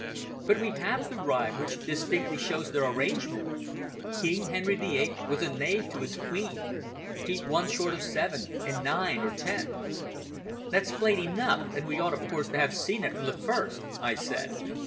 "But we have the rhyme which distinctly shows their arrangement: "`King Henry the Eighth was a knave to his queen, He'd one short of seven and nine or ten ' "That's plain enough, and we ought, of course, to have seen it from the first," I said.